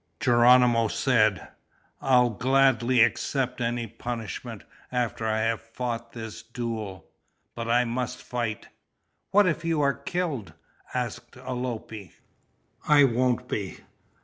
Geronimo said, "I'll gladly accept any punishment after I have fought this duel, but I must fight!" "What if you are killed?" asked Alope. "I won't be.